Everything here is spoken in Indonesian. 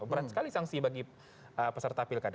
berat sekali sanksi bagi peserta pilkada